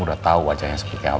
udah tahu wajahnya seperti apa